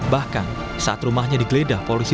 bahkan saat rumahnya digeledah polisi